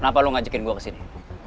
kenapa lo ngajakin gue kesini